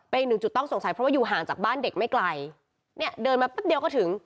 เป็นอีกหนึ่งจุดต้องสงสัยเพราะว่าอยู่ห่างจากบ้านเด็กไม่ไกลเนี่ยเดินมาแป๊บเดียวก็ถึง